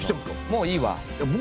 「もういいわ」